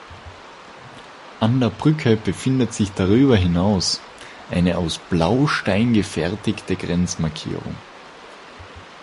An der Brücke befindet sich darüber hinaus eine aus Blaustein gefertigte Grenzmarkierung.